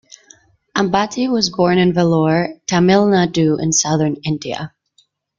Ambati was born in Vellore, Tamil Nadu in southern India.